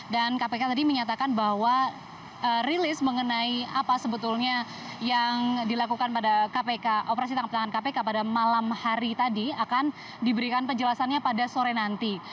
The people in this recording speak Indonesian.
dan kpk tadi menyatakan bahwa rilis mengenai apa sebetulnya yang dilakukan pada kpk operasi tangkap tangan kpk pada malam hari tadi akan diberikan penjelasannya pada sore nanti